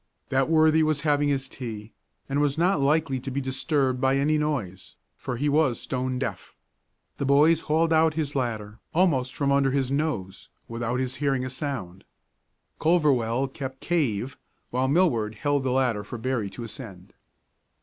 That worthy was having his tea, and was not likely to be disturbed by any noise, for he was stone deaf. The boys hauled out his ladder almost from under his nose without his hearing a sound. Culverwell kept "cave" while Millward held the ladder for Berry to ascend.